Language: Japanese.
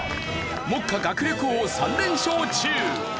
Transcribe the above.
目下学力王３連勝中。